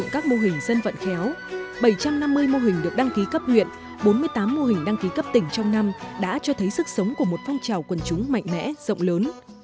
các mô hình dân vận khéo bảy trăm năm mươi mô hình được đăng ký cấp nguyện bốn mươi tám mô hình đăng ký cấp tỉnh trong năm đã cho thấy sức sống của một phong trào quần chúng mạnh mẽ rộng lớn